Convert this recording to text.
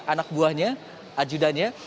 anak buahnya ajudannya